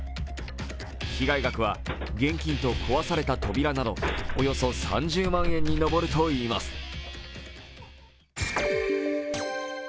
被害額は現金と壊された扉などおよそ３０万円に上るといいます。